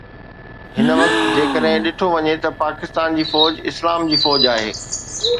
هن وقت جيڪڏهن ڏٺو وڃي ته پاڪستان جي فوج اسلام جي فوج آهي